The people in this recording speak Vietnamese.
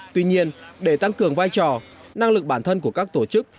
tuy nhiên để tăng cường vai trò năng lực bản thân của các tổ chức